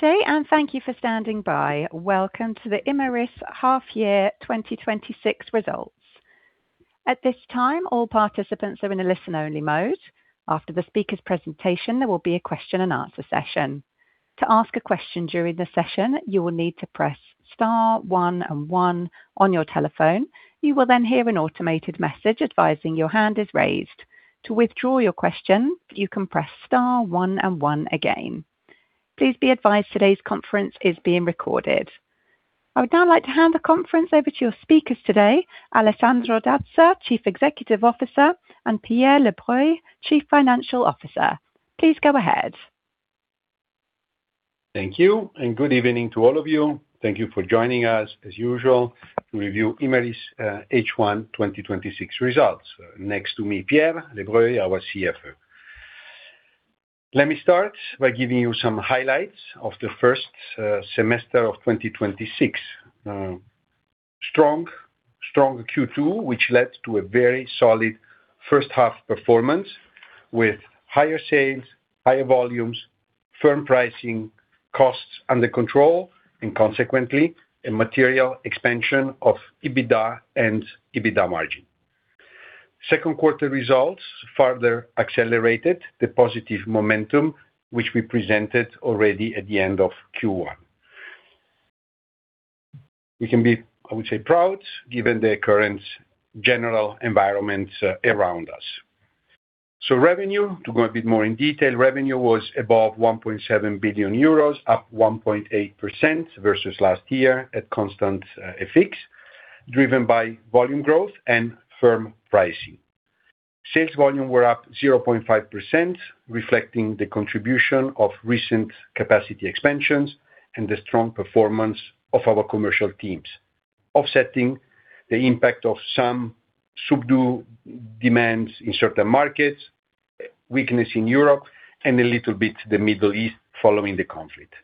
Good day. Thank you for standing by. Welcome to the Imerys half year 2026 results. At this time, all participants are in a listen-only mode. After the speaker's presentation, there will be a question-and-answer session. To ask a question during the session, you will need to press star one and one on your telephone. You will then hear an automated message advising your hand is raised. To withdraw your question, you can press star one and one again. Please be advised today's conference is being recorded. I would now like to hand the conference over to your speakers today, Alessandro Dazza, Chief Executive Officer, and Pierre Lebreuil, Chief Financial Officer. Please go ahead. Thank you. Good evening to all of you. Thank you for joining us, as usual, to review Imerys H1 2026 results. Next to me, Pierre Lebreuil, our CFO. Let me start by giving you some highlights of the first semester of 2026. Strong Q2, which led to a very solid first half performance with higher sales, higher volumes, firm pricing, costs under control, and consequently, a material expansion of EBITDA and EBITDA margin. Second quarter results further accelerated the positive momentum, which we presented already at the end of Q1. We can be, I would say, proud given the current general environment around us. Revenue, to go a bit more in detail, revenue was above 1.7 billion euros, up 1.8% versus last year at constant FX, driven by volume growth and firm pricing. Sales volume were up 0.5%, reflecting the contribution of recent capacity expansions and the strong performance of our commercial teams, offsetting the impact of some subdued demands in certain markets, weakness in Europe, and a little bit the Middle East following the conflict.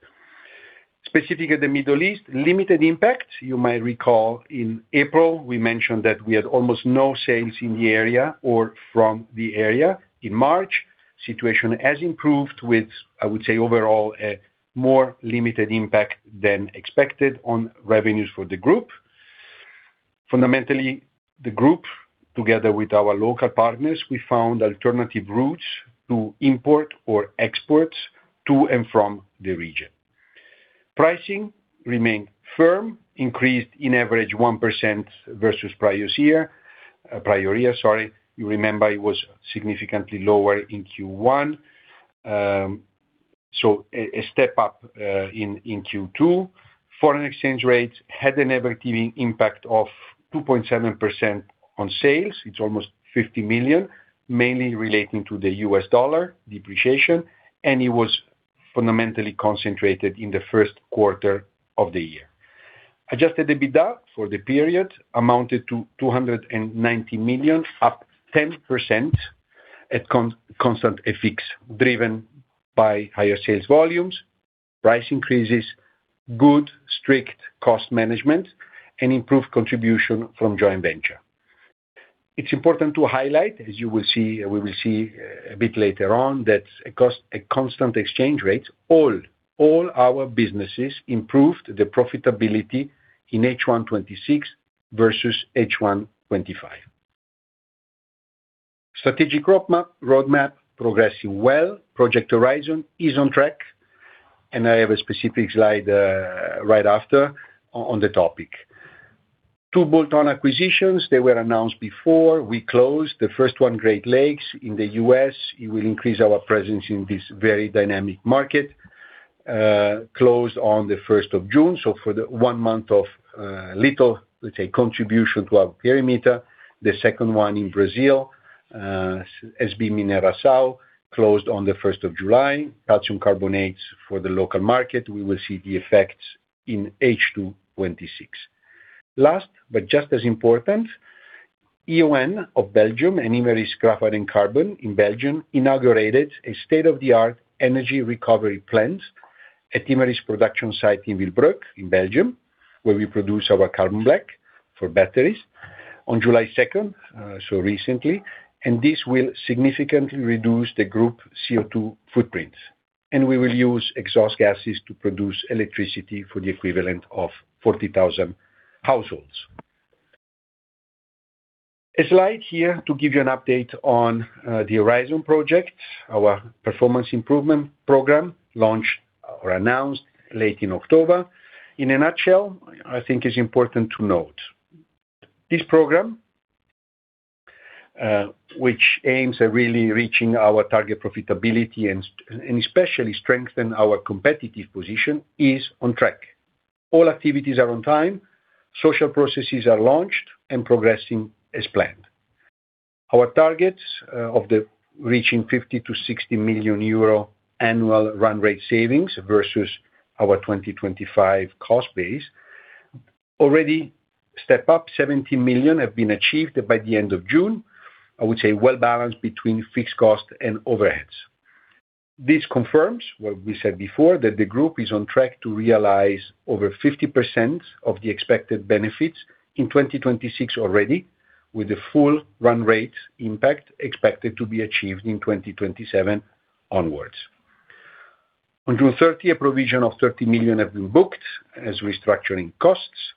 Specifically, the Middle East, limited impact. You might recall in April, we mentioned that we had almost no sales in the area or from the area. In March, situation has improved with, I would say, overall, a more limited impact than expected on revenues for the group. Fundamentally, the group, together with our local partners, we found alternative routes to import or export to and from the region. Pricing remained firm, increased in average 1% versus prior year. You remember it was significantly lower in Q1. A step up in Q2. Foreign exchange rates had a negative impact of 2.7% on sales. It's almost 50 million, mainly relating to the U.S. dollar depreciation, and it was fundamentally concentrated in the first quarter of the year. Adjusted EBITDA for the period amounted to 290 million, up 10% at constant FX, driven by higher sales volumes, price increases, good strict cost management, and improved contribution from joint venture. It's important to highlight, as we will see a bit later on, that at constant exchange rates, all our businesses improved the profitability in H1 2026 versus H1 2025. Strategic roadmap progressing well. Project Horizon is on track. I have a specific slide right after on the topic. Two bolt-on acquisitions, they were announced before we closed. The first one, Great Lakes in the U.S. It will increase our presence in this very dynamic market. Closed on the 1st of June, so for the one month of little, let's say, contribution to our perimeter. The second one in Brazil, SB Mineração, closed on July 1st. Calcium carbonates for the local market. We will see the effects in H2 2026. Last, but just as important, E.ON of Belgium and Imerys Graphite & Carbon in Belgium inaugurated a state-of-the-art energy recovery plant at Imerys production site in Willebroek in Belgium, where we produce our carbon black for batteries on July 2nd, so recently. This will significantly reduce the group CO2 footprint. We will use exhaust gases to produce electricity for the equivalent of 40,000 households. A slide here to give you an update on the Horizon project, our performance improvement program launched or announced late in October. In a nutshell, I think it's important to note. This program, which aims at really reaching our target profitability and especially strengthen our competitive position, is on track. All activities are on time. Social processes are launched and progressing as planned. Our targets of reaching 50 million-60 million euro annual run rate savings versus our 2025 cost base already step up. 70 million have been achieved by the end of June. I would say well-balanced between fixed cost and overheads. This confirms what we said before, that the group is on track to realize over 50% of the expected benefits in 2026 already, with the full run rate impact expected to be achieved in 2027 onwards. On June 30, a provision of 30 million have been booked as restructuring costs.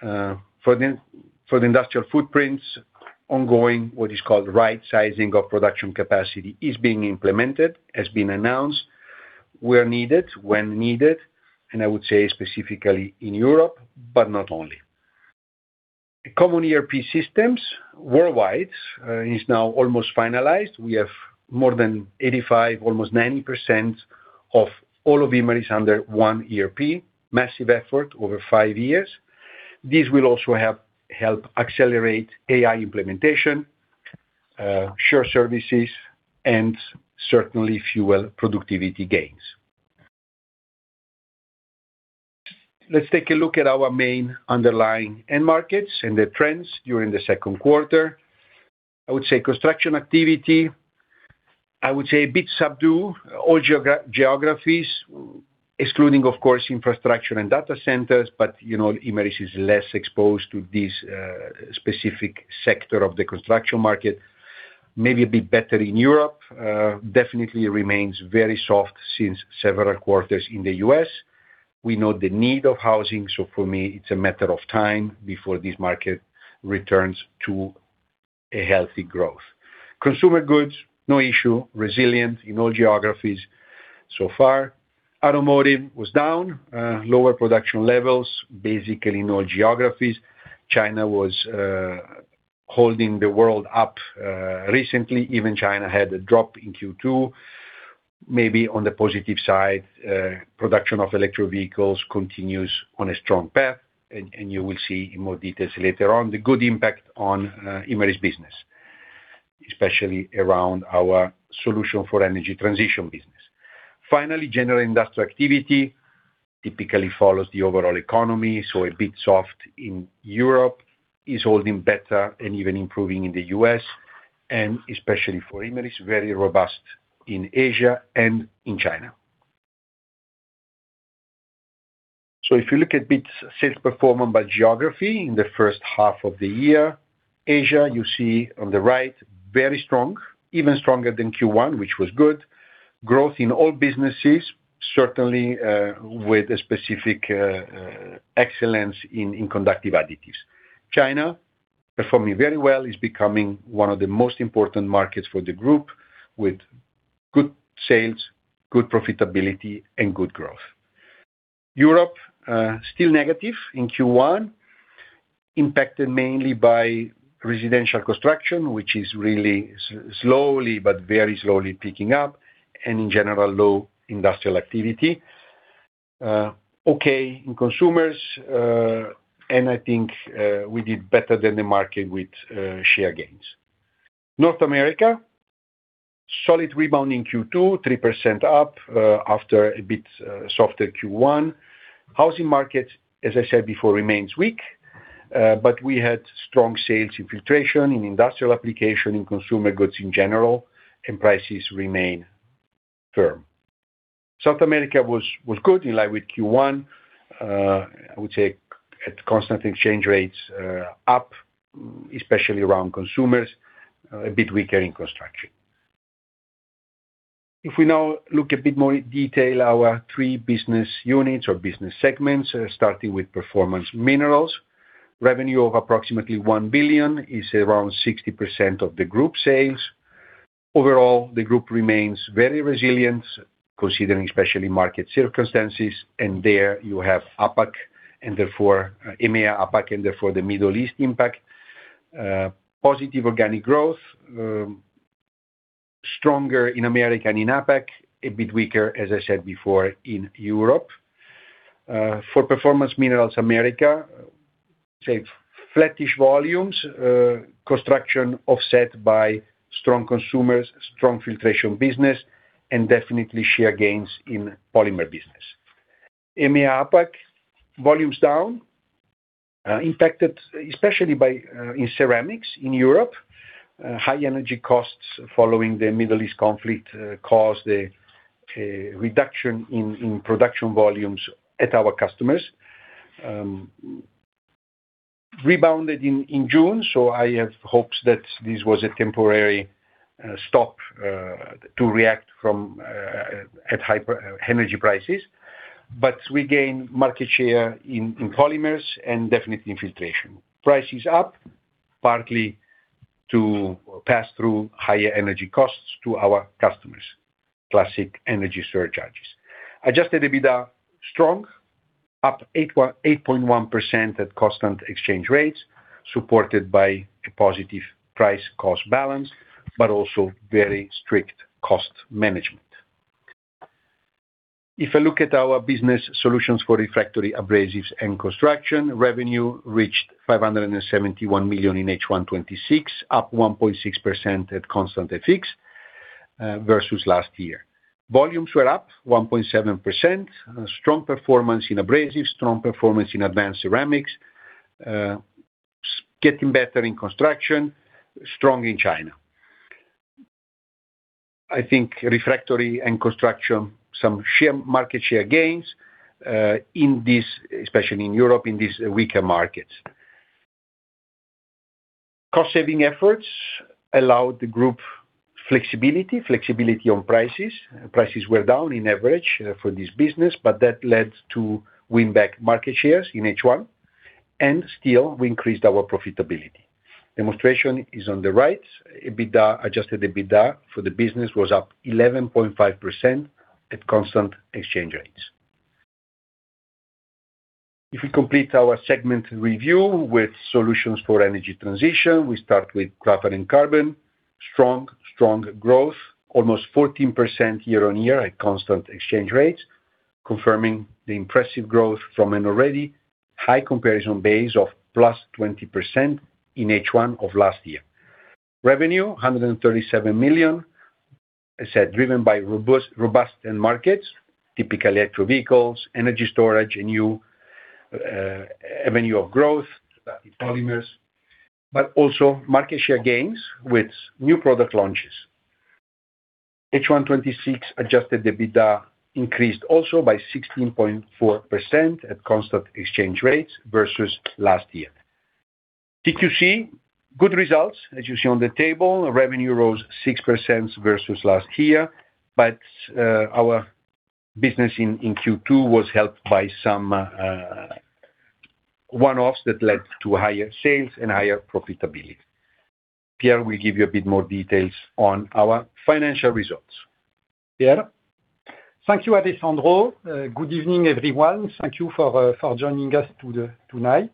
For the industrial footprints, ongoing, what is called right sizing of production capacity is being implemented, has been announced, where needed, when needed, and I would say specifically in Europe, but not only. Common ERP systems worldwide is now almost finalized. We have more than 85%, almost 90% of all of Imerys under one ERP. Massive effort over 5 years. This will also help accelerate AI implementation, share services, and certainly fuel productivity gains. Let's take a look at our main underlying end markets and the trends during the second quarter. I would say construction activity, I would say a bit subdued. All geographies, excluding of course infrastructure and data centers, but Imerys is less exposed to this specific sector of the construction market. Maybe a bit better in Europe. Definitely remains very soft since several quarters in the U.S. We know the need of housing, so for me, it's a matter of time before this market returns to a healthy growth. Consumer goods, no issue, resilient in all geographies so far. Automotive was down, lower production levels, basically in all geographies. China was holding the world up recently. Even China had a drop in Q2. Maybe on the positive side, production of electric vehicles continues on a strong path, and you will see in more details later on the good impact on Imerys' business, especially around our Solutions for Energy Transition business. Finally, general industrial activity typically follows the overall economy, so a bit soft in Europe. Is holding better and even improving in the U.S., and especially for Imerys, very robust in Asia and in China. If you look a bit sales performance by geography in the first half of the year. Asia, you see on the right, very strong, even stronger than Q1, which was good. Growth in all businesses, certainly with a specific excellence in conductive additives. China, performing very well, is becoming one of the most important markets for the group, with good sales, good profitability and good growth. Europe, still negative in Q1, impacted mainly by residential construction, which is really slowly, but very slowly picking up, and in general, low industrial activity. Okay in consumers, I think we did better than the market with share gains. North America, solid rebound in Q2, 3% up after a bit softer Q1. Housing market, as I said before, remains weak, we had strong sales in filtration, in industrial application, in consumer goods in general, and prices remain firm. South America was good in line with Q1. I would say at constant exchange rates, up especially around consumers, a bit weaker in construction. If we now look a bit more in detail, our three business units or business segments, starting with Performance Minerals. Revenue of approximately 1 billion is around 60% of the group sales. Overall, the group remains very resilient considering especially market circumstances. There you have APAC, and therefore EMEA, APAC, and therefore the Middle East impact. Positive organic growth. Stronger in America than in APAC. A bit weaker, as I said before, in Europe. For Performance Minerals Americas, say flattish volumes, construction offset by strong consumers, strong filtration business, and definitely share gains in polymer business. EMEA, APAC, volumes down, impacted especially in ceramics in Europe. High energy costs following the Middle East conflict caused a reduction in production volumes at our customers. Rebounded in June, I have hopes that this was a temporary stop to react from at high energy prices. We gain market share in polymers and definitely in filtration. Prices up, partly to pass through higher energy costs to our customers. Classic energy surcharges. Adjusted EBITDA, strong, up 8.1% at constant exchange rates, supported by a positive price-cost balance, but also very strict cost management. If I look at our business Solutions for Refractory, Abrasives & Construction, revenue reached 571 million in H1 2026, up 1.6% at constant FX versus last year. Volumes were up 1.7%. Strong performance in Abrasives, strong performance in Advanced Ceramics. Getting better in Construction. Strong in China. I think Refractory and Construction, some market share gains, especially in Europe, in this weaker market. Cost saving efforts allowed the group flexibility on prices. Prices were down in average for this business, that led to win back market shares in H1, and still we increased our profitability. Demonstration is on the right. Adjusted EBITDA for the business was up 11.5% at constant exchange rates. If we complete our segment review with Solutions for Energy Transition, we start with Graphite & Carbon. Strong growth, almost 14% year-on-year at constant exchange rates, confirming the impressive growth from an already high comparison base of plus 20% in H1 of last year. Revenue, 137 million, as said, driven by robust end markets, typically electric vehicles, energy storage, a new avenue of growth, polymers, also market share gains with new product launches. H1 2026 Adjusted EBITDA increased also by 16.4% at constant exchange rates versus last year. Q2 see good results. As you see on the table, revenue rose 6% versus last year. Our business in Q2 was helped by some one-offs that led to higher sales and higher profitability. Pierre will give you a bit more details on our financial results. Pierre? Thank you, Alessandro. Good evening, everyone. Thank you for joining us tonight.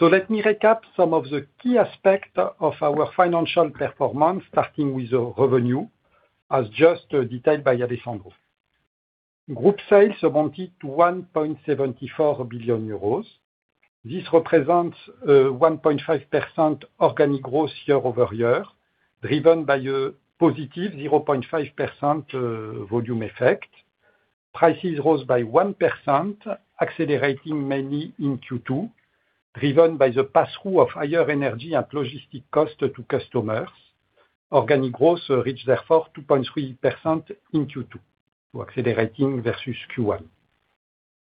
Let me recap some of the key aspects of our financial performance, starting with the revenue, as just detailed by Alessandro. Group sales amounted to 1.74 billion euros. This represents a 1.5% organic growth year-over-year, driven by a positive 0.5% volume effect. Prices rose by 1%, accelerating mainly in Q2, driven by the pass-through of higher energy and logistic cost to customers. Organic growth reached therefore 2.3% in Q2, accelerating versus Q1.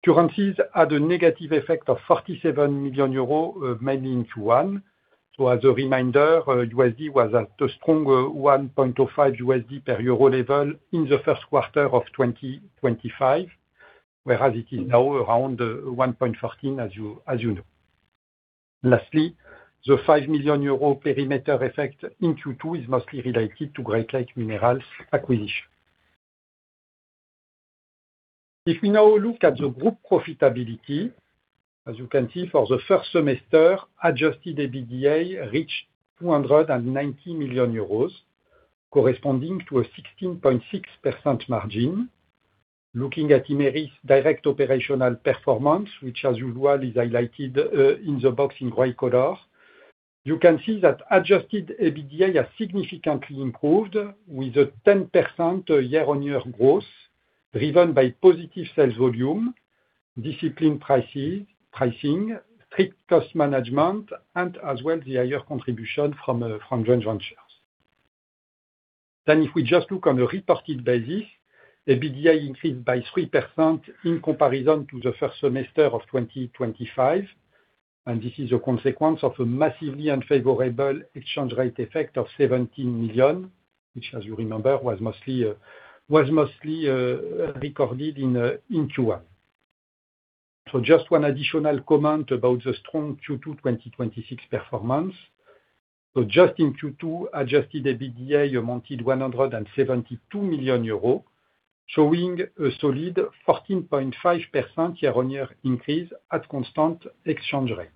Currencies had a negative effect of 47 million euros, mainly in Q1. As a reminder, USD was at a strong 1.05 USD per euro level in the first quarter of 2025, whereas it is now around 1.14, as you know. Lastly, the 5 million euro perimeter effect in Q2 is mostly related to Great Lakes Minerals acquisition. If we now look at the group profitability, as you can see for the first semester, Adjusted EBITDA reached 290 million euros, corresponding to a 16.6% margin. Looking at Imerys' direct operational performance, which as usual is highlighted in the box in gray color, you can see that Adjusted EBITDA has significantly improved with a 10% year-on-year growth, driven by positive sales volume, disciplined pricing, strict cost management, and as well the higher contribution from joint ventures. If we just look on a reported basis, EBITDA increased by 3% in comparison to the first semester of 2025. This is a consequence of a massively unfavorable exchange rate effect of 17 million, which as you remember, was mostly recorded in Q1. Just one additional comment about the strong Q2 2026 performance. Just in Q2, Adjusted EBITDA amounted 172 million euros, showing a solid 14.5% year-on-year increase at constant exchange rate.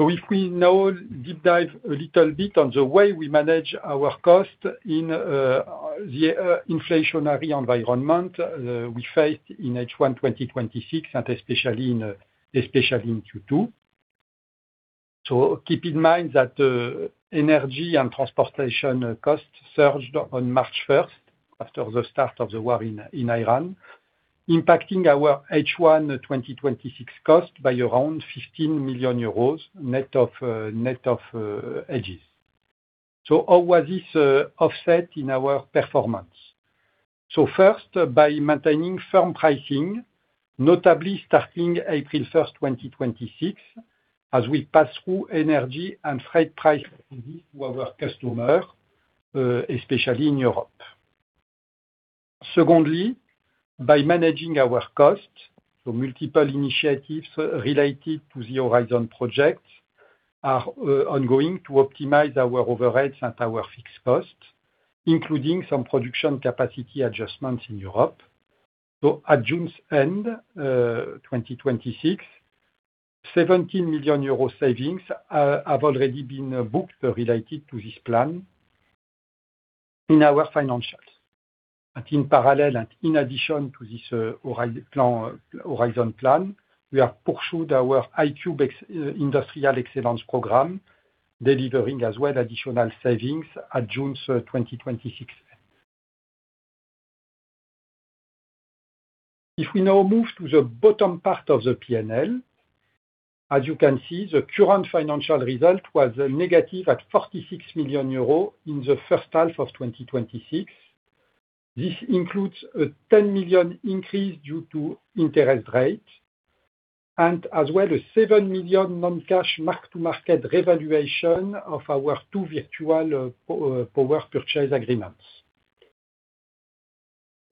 If we now deep dive a little bit on the way we manage our costs in the inflationary environment we faced in H1 2026 and especially in Q2. Keep in mind that energy and transportation costs surged on March 1st after the start of the war in Iran, impacting our H1 2026 costs by around 15 million euros, net of hedges. How was this offset in our performance? First, by maintaining firm pricing, notably starting April 1st, 2026, as we pass through energy and freight price increases to our customers, especially in Europe. Secondly, by managing our costs. Multiple initiatives related to the Horizon project are ongoing to optimize our overheads and our fixed costs, including some production capacity adjustments in Europe. At June's end 2026, 17 million euro savings have already been booked related to this plan in our financials. In parallel and in addition to this Horizon plan, we have pursued our I-Cube Industrial Excellence program, delivering as well additional savings at June 2026. If we now move to the bottom part of the P&L, as you can see, the current financial result was negative at 46 million euros in the first half of 2026. This includes a 10 million increase due to interest rate, and as well a 7 million non-cash mark-to-market revaluation of our two virtual power purchase agreements.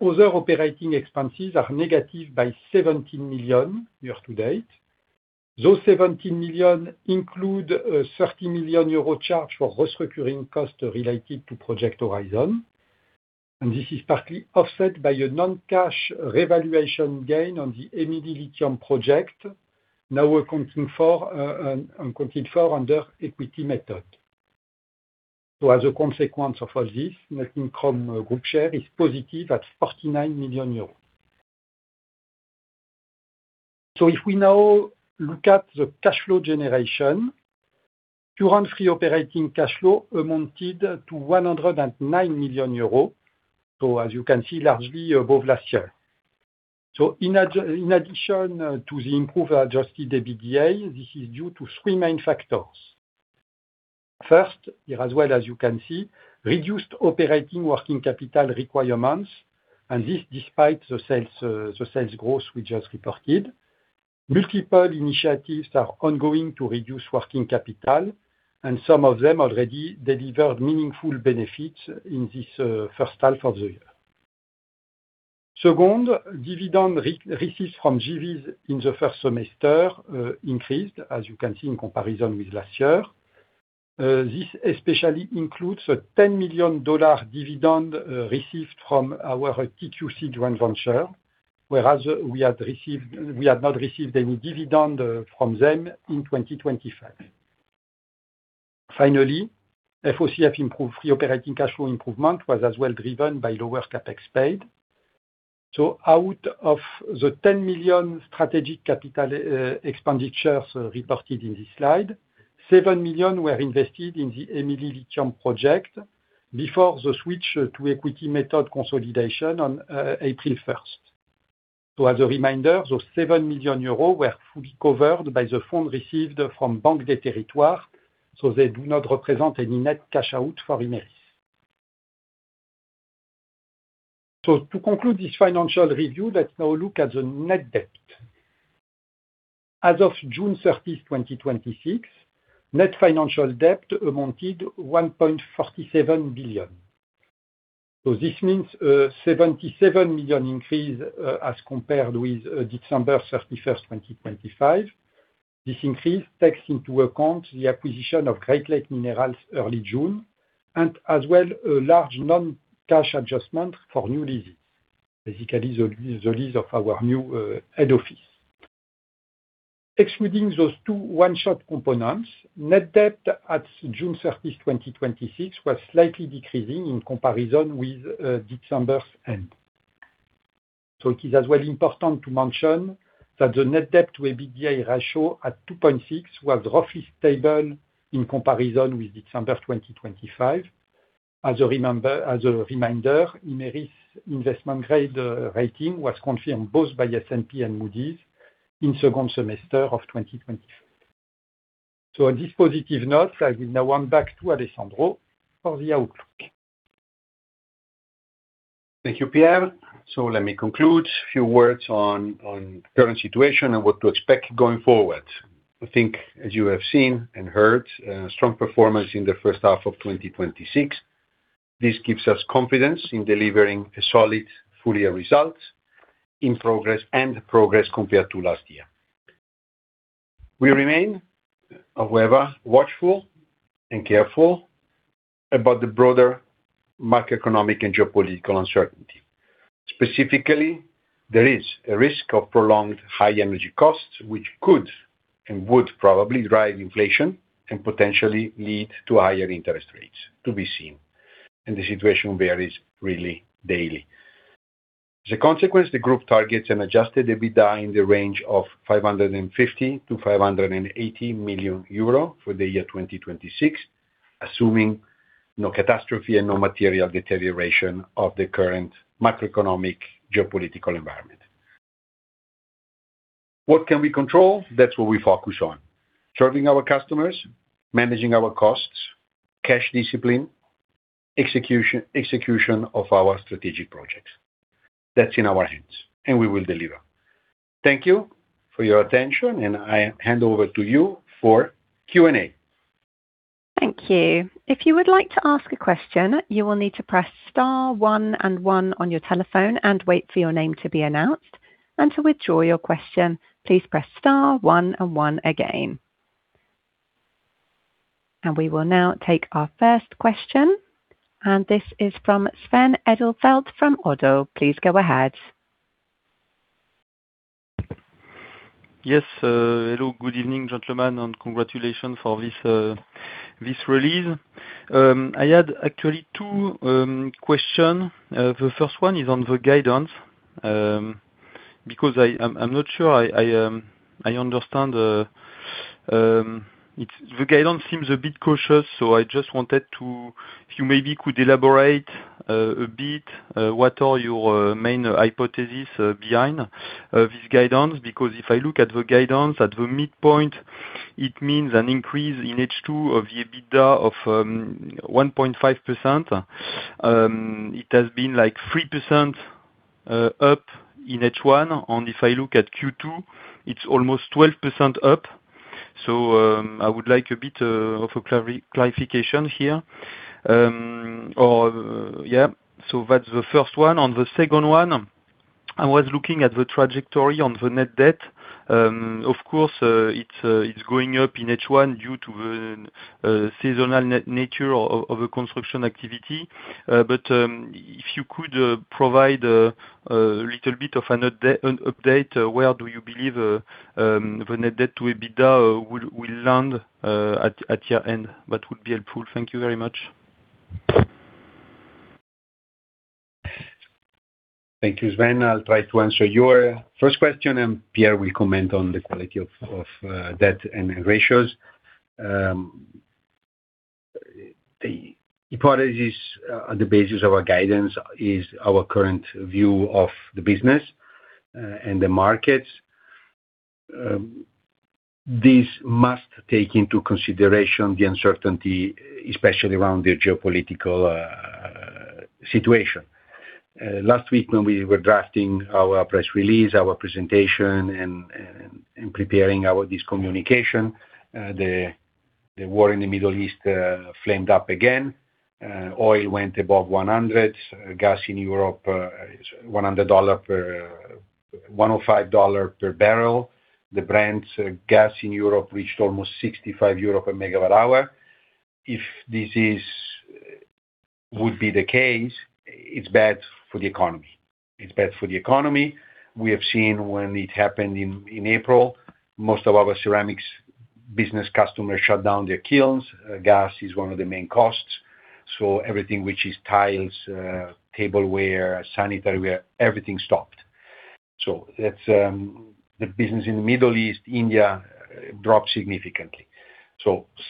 Other operating expenses are negative by 17 million year to date. Those 17 million include a 30 million euro charge for restructuring costs related to Project Horizon, and this is partly offset by a non-cash revaluation gain on the EMILI lithium project, now accounted for under equity method. Net income group share is positive at 49 million euros. If we now look at the cash flow generation, current free operating cash flow amounted to 109 million euros. As you can see, largely above last year. In addition to the improved Adjusted EBITDA, this is due to three main factors. First, here as well as you can see, reduced operating working capital requirements, and this despite the sales growth we just reported. Multiple initiatives are ongoing to reduce working capital, and some of them already delivered meaningful benefits in this first half of the year. Second, dividend receipts from JVs in the first semester increased, as you can see, in comparison with last year. This especially includes a $10 million dividend received from our TQC joint venture, whereas we had not received any dividend from them in 2025. Finally, FOCF improved free operating cash flow improvement was as well driven by lower CapEx paid. Out of the 10 million strategic capital expenditures reported in this slide, 7 million were invested in the EMILI lithium project before the switch to equity method consolidation on April 1st. As a reminder, those 7 million euros were fully covered by the fund received from Banque des Territoires, they do not represent any net cash out for Imerys. To conclude this financial review, let's now look at the net debt. As of June 30th, 2026, net financial debt amounted 1.47 billion. This means a 77 million increase as compared with December 31st, 2025. This increase takes into account the acquisition of Great Lakes Minerals early June, and as well a large non-cash adjustment for new leases. Basically, the lease of our new head office. Excluding those two one-shot components, net debt at June 30th, 2026, was slightly decreasing in comparison with December end. It is as well important to mention that the net debt to EBITDA ratio at 2.6 was roughly stable in comparison with December 2025. As a reminder, Imerys investment grade rating was confirmed both by S&P and Moody's in second semester of 2025. On this positive note, I will now hand back to Alessandro for the outlook. Thank you, Pierre. Let me conclude. A few words on current situation and what to expect going forward. As you have seen and heard, strong performance in the first half of 2026. This gives us confidence in delivering a solid full year result in progress and progress compared to last year. We remain, however, watchful and careful about the broader macroeconomic and geopolitical uncertainty. Specifically, there is a risk of prolonged high energy costs, which could and would probably drive inflation and potentially lead to higher interest rates, to be seen, and the situation varies really daily. The group targets an Adjusted EBITDA in the range of 550 million-580 million euro for the year 2026, assuming no catastrophe and no material deterioration of the current macroeconomic geopolitical environment. What can we control? That's what we focus on. Serving our customers, managing our costs, cash discipline, execution of our strategic projects. That's in our hands, and we will deliver. Thank you for your attention, I hand over to you for Q&A. Thank you. If you would like to ask a question, you will need to press star one and one on your telephone and wait for your name to be announced. To withdraw your question, please press star one and one again. We will now take our first question, and this is from Sven Edelfelt from Oddo. Please go ahead. Yes. Hello, good evening, gentlemen, congratulations for this release. I had actually two question. The first one is on the guidance, I'm not sure I understand. The guidance seems a bit cautious, If you maybe could elaborate a bit, what are your main hypothesis behind this guidance? If I look at the guidance at the midpoint It means an increase in H2 of the EBITDA of 1.5%. It has been 3% up in H1, and if I look at Q2, it's almost 12% up. I would like a bit of a clarification here. That's the first one. On the second one, I was looking at the trajectory on the net debt. Of course, it's going up in H1 due to the seasonal nature of the construction activity. If you could provide a little bit of an update, where do you believe the net debt to EBITDA will land at year-end? That would be helpful. Thank you very much. Thank you, Sven. I will try to answer your first question, and Pierre will comment on the quality of debt and ratios. The hypothesis on the basis of our guidance is our current view of the business and the markets. This must take into consideration the uncertainty, especially around the geopolitical situation. Last week when we were drafting our press release, our presentation, and preparing this communication, the war in the Middle East flamed up again. Oil went above 100. Gas in Europe is EUR 105 per barrel. The Brent gas in Europe reached almost 65 euro a megawatt hour. If this would be the case, it is bad for the economy. We have seen when it happened in April, most of our ceramics business customers shut down their kilns. Gas is one of the main costs. Everything which is tiles, tableware, sanitary ware, everything stopped. The business in the Middle East, India, dropped significantly.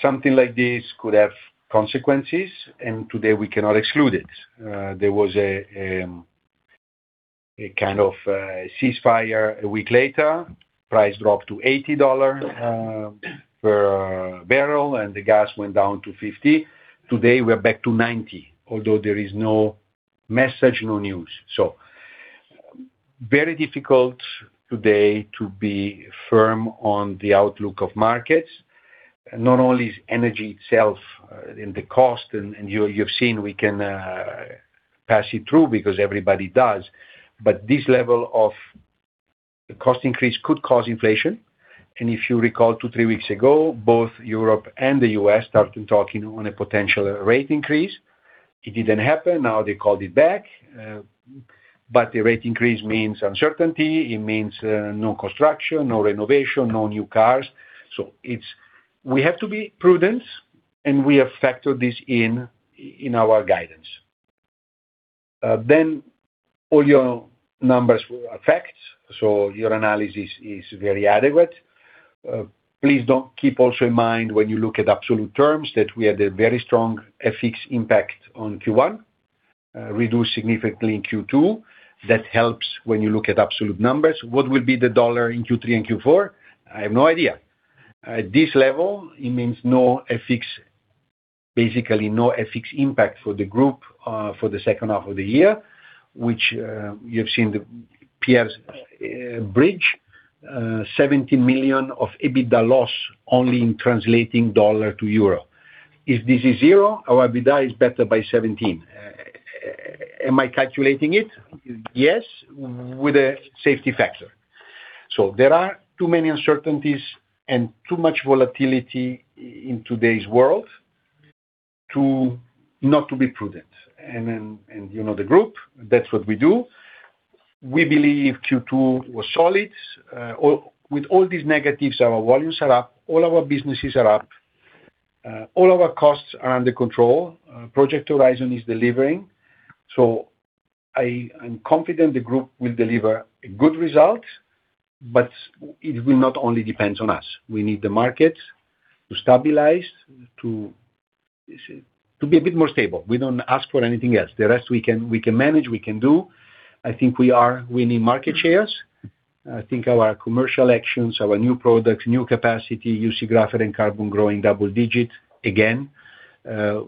Something like this could have consequences, and today we cannot exclude it. There was a kind of ceasefire a week later. Price dropped to EUR 80 per barrel, the gas went down to 50. Today, we are back to 90, although there is no message, no news. Very difficult today to be firm on the outlook of markets. Not only is energy itself the cost, you have seen we can pass it through because everybody does, but this level of cost increase could cause inflation. If you recall, two, three weeks ago both Europe and the U.S. started talking on a potential rate increase. It did not happen. Now they called it back. The rate increase means uncertainty. It means no construction, no renovation, no new cars. We have to be prudent, we have factored this in our guidance. All your numbers were facts, your analysis is very adequate. Please do not keep also in mind, when you look at absolute terms, that we had a very strong FX impact on Q1, reduced significantly in Q2. That helps when you look at absolute numbers. What will be the dollar in Q3 and Q4? I have no idea. At this level, it means basically no FX impact for the group for the second half of the year, which you have seen the Pierre's bridge, 17 million of EBITDA loss only in translating dollar to euro. If this is zero, our EBITDA is better by 17. Am I calculating it? Yes, with a safety factor. There are too many uncertainties and too much volatility in today's world not to be prudent. You know the group, that is what we do. We believe Q2 was solid. With all these negatives, our volumes are up, all our businesses are up, all our costs are under control. Project Horizon is delivering. I am confident the group will deliver a good result, but it will not only depends on us. We need the markets to stabilize, to be a bit more stable. We do not ask for anything else. The rest we can manage, we can do. I think we are winning market shares. I think our commercial actions, our new products, new capacity, you see Graphite & Carbon growing double-digit again.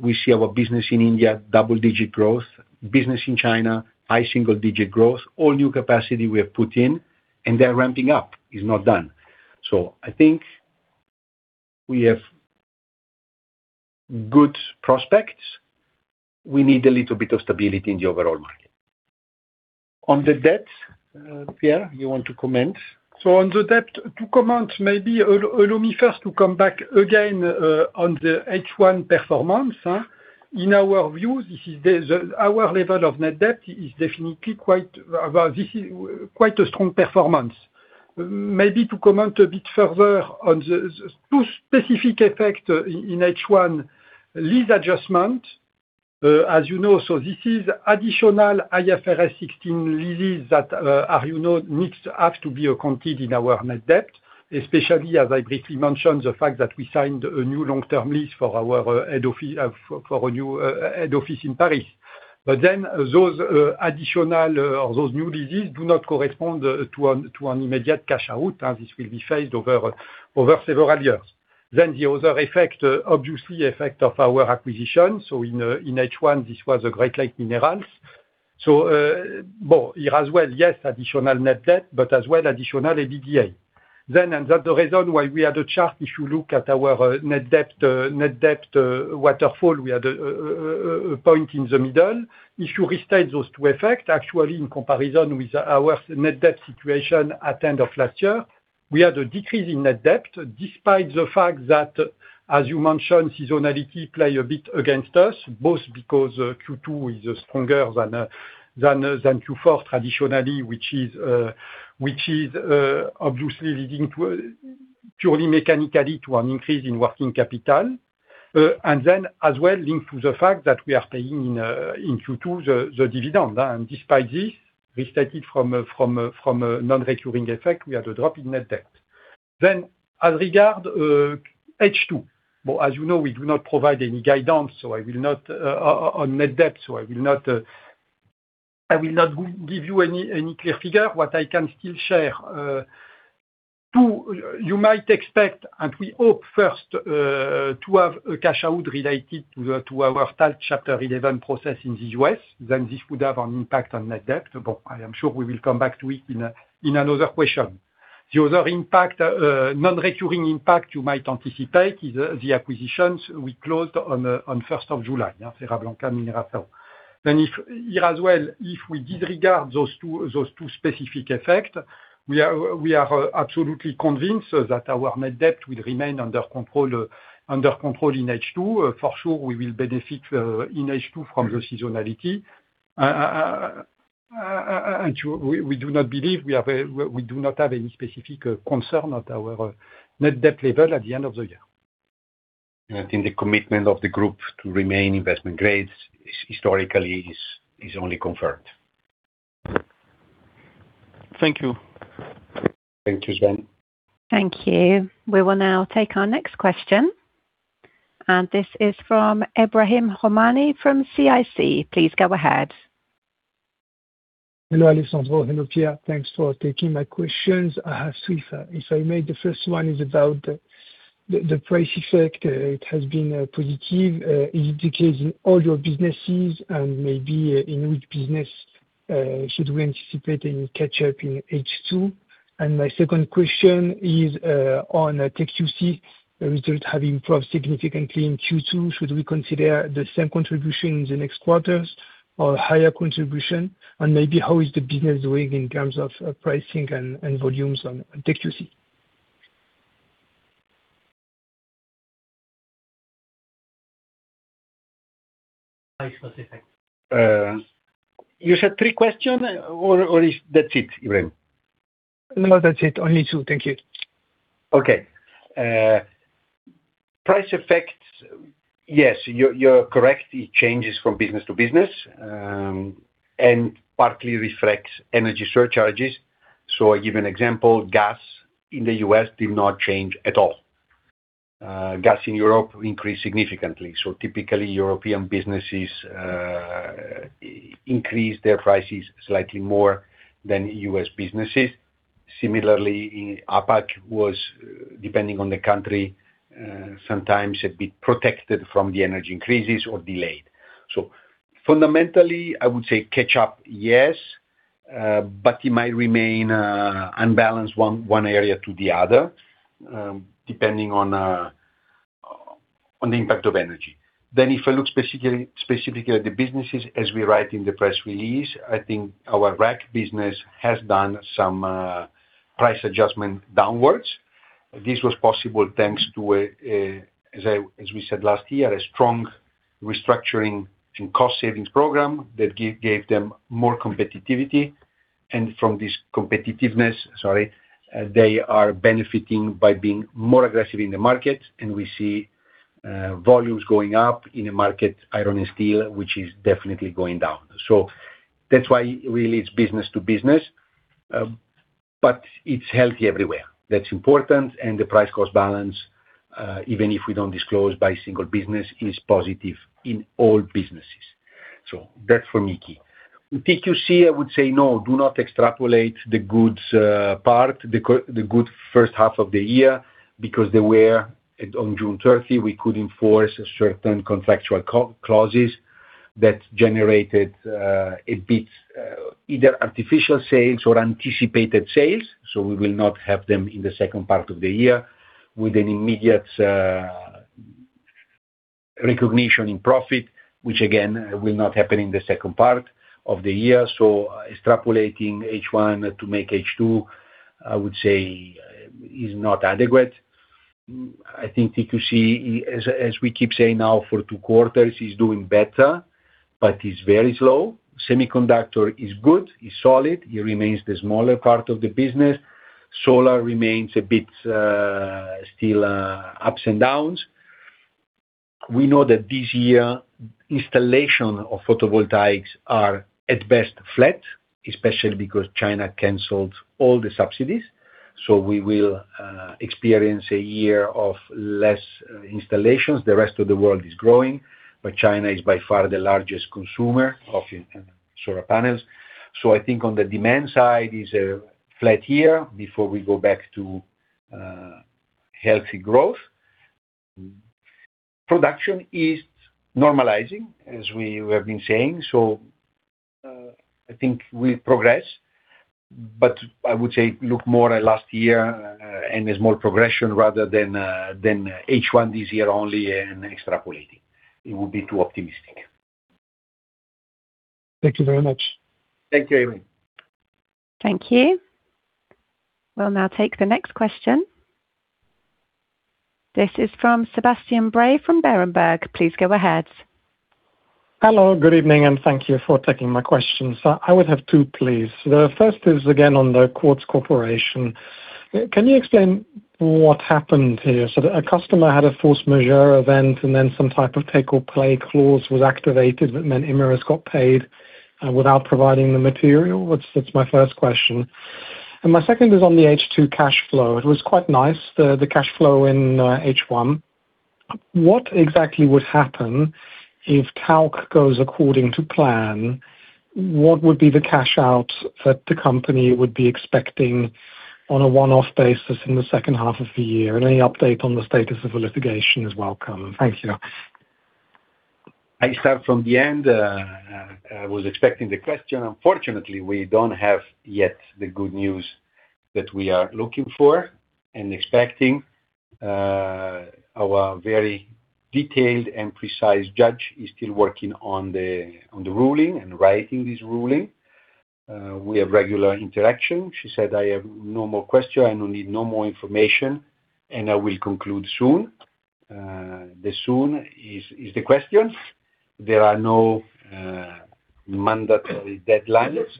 We see our business in India, double-digit growth, business in China, high single-digit growth. All new capacity we have put in, they are ramping up. It is not done. I think we have good prospects. We need a little bit of stability in the overall market. On the debt, Pierre, you want to comment? On the debt, to comment, maybe allow me first to come back again on the H1 performance. In our view, our level of net debt is definitely quite a strong performance. Maybe to comment a bit further on the two specific effects in H1 lease adjustment. As you know, this is additional IFRS 16 leases that now needs to be accounted in our net debt, especially as I briefly mentioned, the fact that we signed a new long-term lease for our new head office in Paris. Those additional or those new deals do not correspond to an immediate cash out. This will be phased over several years. The other effect, obviously effect of our acquisition. In H1, this was a Great Lakes Minerals. It has, well, yes, additional net debt, but as well, additional EBITDA then, and that's the reason why we had a chart. If you look at our net debt waterfall, we had a point in the middle. If you restate those two effects, actually, in comparison with our net debt situation at end of last year, we had a decrease in net debt, despite the fact that, as you mentioned, seasonality plays a bit against us, both because Q2 is stronger than Q4 traditionally, which is obviously leading purely mechanically to an increase in working capital. Then as well linked to the fact that we are paying in Q2 the dividend. Despite this, restated from a non-recurring effect, we had a drop in net debt. As regards H2, as you know, we do not provide any guidance on net debt, so I will not give you any clear figure. What I can still share, two, you might expect, and we hope first, to have a cash out related to our Talc Chapter 11 process in the U.S. This would have an impact on net debt. I am sure we will come back to it in another question. The other non-recurring impact you might anticipate is the acquisitions we closed on 1st of July, Cera Blanca Mineral. Here as well, if we disregard those two specific effects, we are absolutely convinced that our net debt will remain under control in H2. For sure, we will benefit in H2 from the seasonality. We do not have any specific concern at our net debt level at the end of the year. I think the commitment of the group to remain investment grade historically is only confirmed. Thank you. Thank you, Sven. Thank you. We will now take our next question, and this is from Ebrahim Homani from CIC. Please go ahead. Hello, Alessandro. Hello, Pierre. Thanks for taking my questions. I have three. If I may, the first one is about the price effect. It has been positive. Is it decreasing all your businesses? Maybe in which business should we anticipate any catch up in H2? My second question is on TQC results have improved significantly in Q2. Should we consider the same contribution in the next quarters or higher contribution? Maybe how is the business doing in terms of pricing and volumes on TQC? Price effect. You said three questions, or is that it, Ebrahim? No, that's it. Only two. Thank you. Okay. Price effects, yes, you're correct. It changes from business to business, and partly reflects energy surcharges. I give an example. Gas in the U.S. did not change at all. Gas in Europe increased significantly. Typically European businesses increase their prices slightly more than U.S. businesses. Similarly, APAC was depending on the country, sometimes a bit protected from the energy increases or delayed. Fundamentally, I would say catch up, yes. It might remain unbalanced one area to the other, depending on the impact of energy. If I look specifically at the businesses, as we write in the press release, I think our RAC business has done some price adjustment downwards. This was possible thanks to, as we said last year, a strong restructuring and cost savings program that gave them more competitivity. From this competitiveness, sorry, they are benefiting by being more aggressive in the market. We see volumes going up in a market, iron and steel, which is definitely going down. That's why really it's business to business. It's healthy everywhere. That's important. The price cost balance, even if we don't disclose by single business, is positive in all businesses. That's for Mickey. In TQC, I would say no, do not extrapolate the goods part, the good first half of the year, because they were on June 30, we could enforce certain contractual clauses that generated a bit, either artificial sales or anticipated sales. We will not have them in the second part of the year with an immediate recognition in profit, which again, will not happen in the second part of the year. Extrapolating H1 to make H2, I would say is not adequate. I think TQC, as we keep saying now for two quarters, is doing better, but is very slow. Semiconductor is good, is solid. It remains the smaller part of the business. Solar remains a bit still ups and downs. We know that this year installation of photovoltaics are at best flat, especially because China canceled all the subsidies. We will experience a year of less installations. The rest of the world is growing, but China is by far the largest consumer of solar panels. I think on the demand side is a flat year before we go back to healthy growth. Production is normalizing as we have been saying. I think we progress, but I would say look more at last year and there's more progression rather than H1 this year only and extrapolating. It would be too optimistic. Thank you very much. Thank you, Ebrahim. Thank you. We'll now take the next question. This is from Sebastian Bray from Berenberg. Please go ahead. Hello, good evening, and thank you for taking my questions. I would have two, please. The first is again on The Quartz Corporation. Can you explain what happened here? A customer had a force majeure event and then some type of take or play clause was activated, that meant Imerys got paid without providing the material. That's my first question. My second is on the H2 cash flow. It was quite nice, the cash flow in H1. What exactly would happen if talc goes according to plan? What would be the cash outs that the company would be expecting on a one-off basis in the second half of the year? Any update on the status of the litigation is welcome. Thank you. I start from the end. I was expecting the question. Unfortunately, we don't have yet the good news that we are looking for and expecting. Our very detailed and precise judge is still working on the ruling and writing this ruling. We have regular interaction. She said, "I have no more question. I need no more information, and I will conclude soon." The soon is the question. There are no mandatory deadlines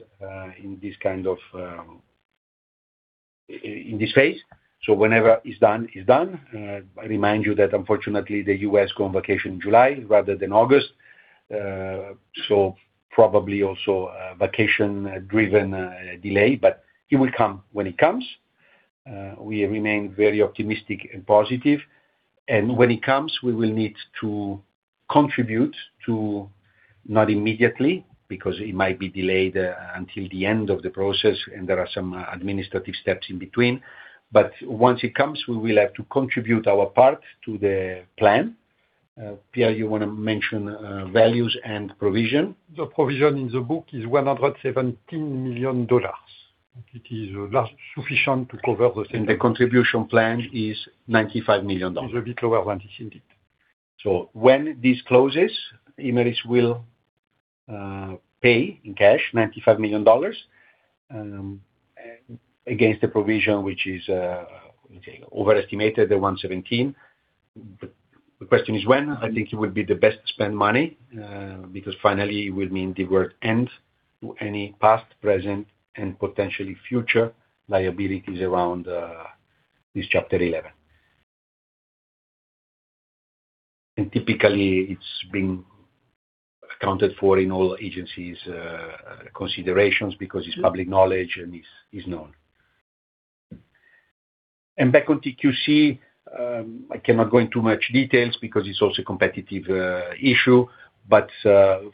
in this phase. Whenever it's done, it's done. I remind you that unfortunately, the U.S. go on vacation in July rather than August. Probably also a vacation-driven delay, but it will come when it comes. We remain very optimistic and positive. When it comes, we will need to contribute to Not immediately, because it might be delayed until the end of the process, and there are some administrative steps in between. Once it comes, we will have to contribute our part to the plan. Pierre, you want to mention values and provision? The provision in the book is EUR 117 million. It is sufficient to cover the. The contribution plan is EUR 95 million. It's a bit lower than this indeed. When this closes, Imerys will pay in cash $95 million against the provision, which is overestimated at $117 million. The question is when. I think it would be the best spent money, because finally, it will mean the word end to any past, present, and potentially future liabilities around this Chapter 11. Typically, it's been accounted for in all agencies' considerations because it's public knowledge and it's known. Back on TQC, I cannot go in too much details because it's also a competitive issue.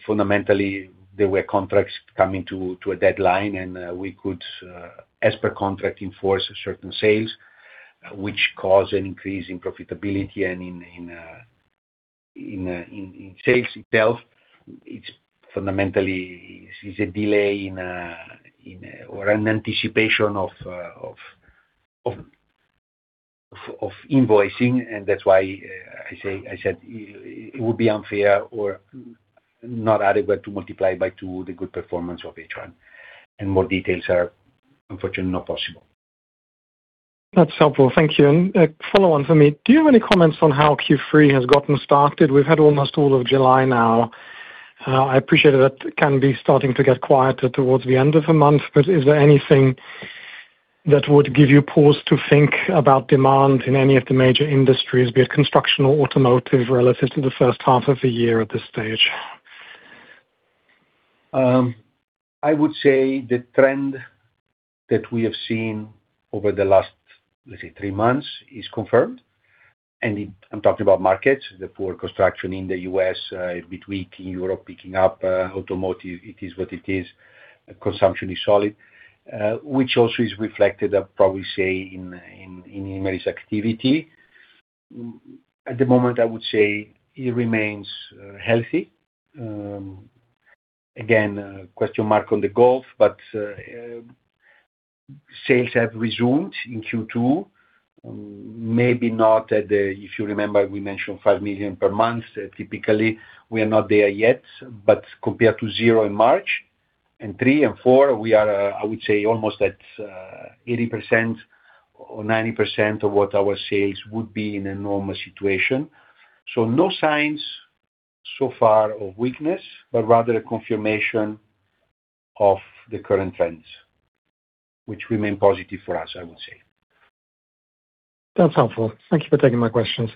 Fundamentally, there were contracts coming to a deadline, and we could, as per contract, enforce certain sales, which caused an increase in profitability and in sales itself. It's fundamentally is a delay or an anticipation of invoicing, and that's why I said it would be unfair or not adequate to multiply by two the good performance of H1. More details are unfortunately not possible. That's helpful. Thank you. A follow on for me. Do you have any comments on how Q3 has gotten started? We've had almost all of July now. I appreciate that it can be starting to get quieter towards the end of a month, but is there anything that would give you pause to think about demand in any of the major industries, be it construction or automotive, relative to the first half of the year at this stage? I would say the trend that we have seen over the last, let's say, three months is confirmed. I'm talking about markets, the poor construction in the U.S., a bit weak in Europe, picking up automotive. It is what it is. Consumption is solid, which also is reflected, I'd probably say, in Imerys activity. At the moment, I would say it remains healthy. Again, question mark on the Gulf, but sales have resumed in Q2. Maybe not at the, if you remember, we mentioned 5 million per month, typically. We are not there yet, but compared to zero in March and 3 million and 4 million, we are, I would say, almost at 80% or 90% of what our sales would be in a normal situation. No signs so far of weakness, but rather a confirmation of the current trends, which remain positive for us, I would say. That's helpful. Thank you for taking my questions.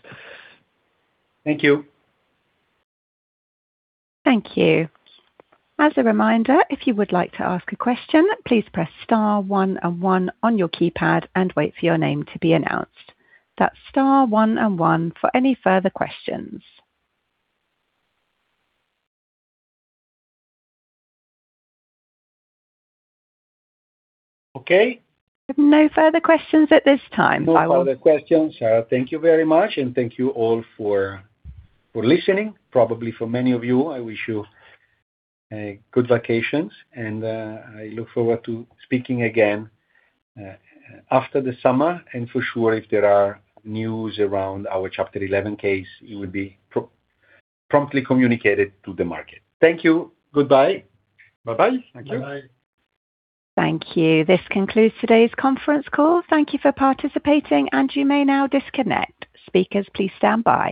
Thank you. Thank you. As a reminder, if you would like to ask a question, please press star one and one on your keypad and wait for your name to be announced. That's star one and one for any further questions. Okay. No further questions at this time. No further questions. Thank you very much, and thank you all for listening. Probably for many of you, I wish you good vacations, and I look forward to speaking again after the summer. For sure, if there are news around our Chapter 11 case, it will be promptly communicated to the market. Thank you. Goodbye. Bye-bye. Thank you. Thank you. This concludes today's conference call. Thank you for participating, and you may now disconnect. Speakers, please stand by.